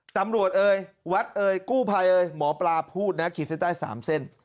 ตำรวจเอ้ยวัดเอ้ยกู้ภัยเอ้ยหมอปลาพูดนะขีดใส่สามเส้น